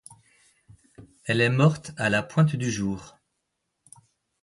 Elle est morte à la pointe du jour.